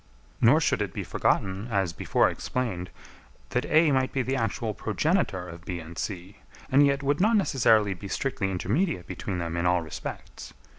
Nor should it be forgotten, as before explained, that A might be the actual progenitor of B and C, and yet would not necessarily be strictly intermediate between them in all respects.